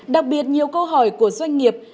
đặc biệt nhiều câu hỏi của doanh nghiệp